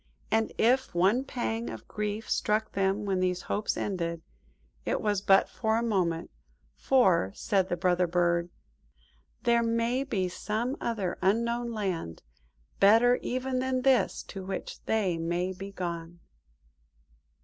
And if one pang of grief struck them when these hopes ended, it was but for a moment, for, said the Brother Bird– "There may be some other Unknown Land, better even than this, to which they may be gone."